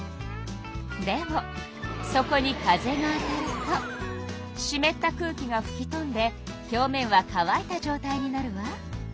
でもそこに風が当たるとしめった空気がふき飛んで表面は乾いたじょうたいになるわ。